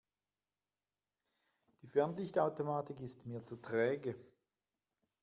Die Fernlichtautomatik ist mir zu träge.